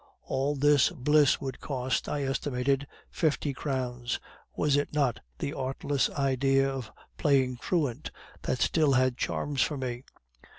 All this bliss would cost, I estimated, fifty crowns. Was it not the artless idea of playing truant that still had charms for me?